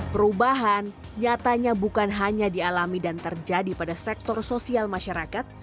perubahan nyatanya bukan hanya dialami dan terjadi pada sektor sosial masyarakat